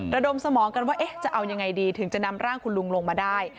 ระดมสมองกันว่าจะเอายังไงดีถึงจะนำร่างคุณลุงลงมาได้